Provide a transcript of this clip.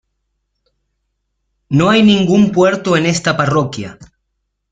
No hay ningún puerto en esta parroquia.